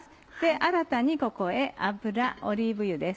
新たにここへオリーブ油です。